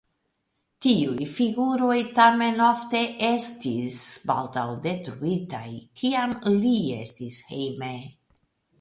Tiuj figuroj tamen ofte estis baldaŭ detruitaj, kiam li estis hejme.